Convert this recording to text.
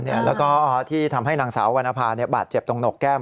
แล้วก็ที่ทำให้นางสาววรรณภาบาดเจ็บตรงหนกแก้ม